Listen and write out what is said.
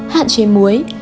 bốn hạn chế muối